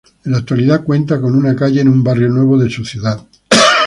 En la actualidad cuenta con una calle en un barrio nuevo de su ciudad.